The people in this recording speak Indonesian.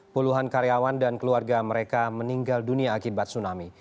puluhan karyawan dan keluarga mereka meninggal dunia akibat tsunami